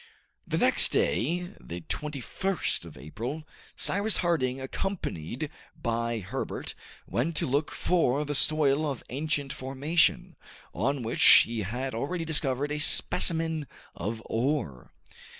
The next day, the 21st of April, Cyrus Harding accompanied by Herbert, went to look for the soil of ancient formation, on which he had already discovered a specimen of ore.